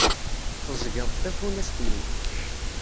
Teẓẓgeḍ tafunast-nni.